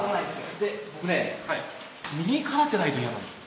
で僕ね右からじゃないと嫌なんですよ。